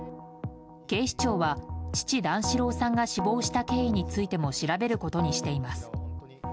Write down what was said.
警視庁は父・段四郎さんが死亡した経緯についても調べることにしています。